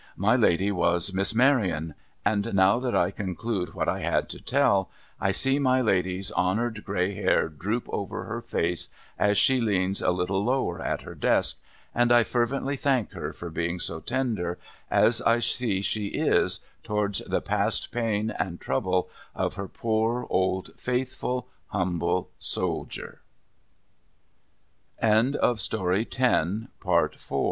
My Lady was Miss Maryon. And now, that I conclude what I had to tell, I see my Lady's honoured gray hair droop over her face, as she leans a little lower at her desk ; and I fervently thank her for being so tender as I see she is, towards the past pain and trouble of her poor,